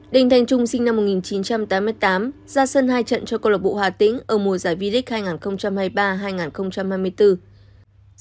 đinh thanh trung sinh năm một nghìn chín trăm tám mươi tám ra sân hai trận cho cô lộc bộ hà tĩnh ở mùa giải v legs hai nghìn hai mươi ba hai nghìn hai mươi bốn